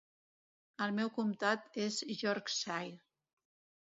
El meu comtat és Yorkshire.